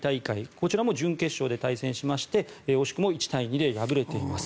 こちらも準決勝で対戦しまして惜しくも１対２で敗れています。